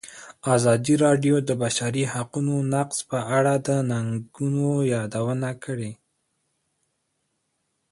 ازادي راډیو د د بشري حقونو نقض په اړه د ننګونو یادونه کړې.